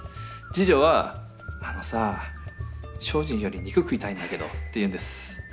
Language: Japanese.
次女は「あのさぁ精進より肉食いたいんだけど」って言うんです。